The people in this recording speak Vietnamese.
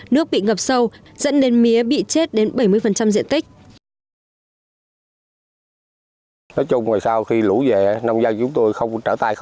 nước bị ngập sâu dẫn đến mía bị chết đến bảy mươi diện tích